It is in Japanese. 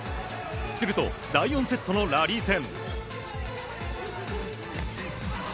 すると、第４セットのラリー戦。